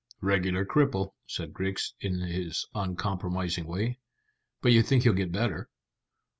"Regular cripple," said Griggs, in his uncompromising way. "But you think he'll get better?"